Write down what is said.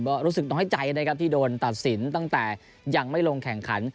ก็รู้สึกน้อยใจนะครับที่โดนตัดสินตั้งแต่ยังไม่ลงแข่งขัน